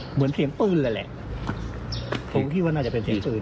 เหมือนเสียงปืนเลยแหละผมคิดว่าน่าจะเป็นเสียงปืน